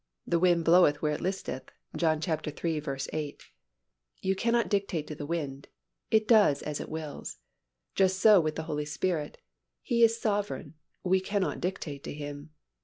"The wind bloweth where it listeth" (John iii. 8). You cannot dictate to the wind. It does as it wills. Just so with the Holy Spirit—He is sovereign—we cannot dictate to Him.